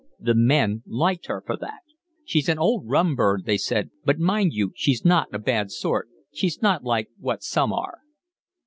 The men liked her for that. "She's a rum old bird," they said, "but mind you, she's not a bad sort, she's not like what some are."